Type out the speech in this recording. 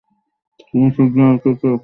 তুমি সূর্যের আলোতে এটা রেখেছ।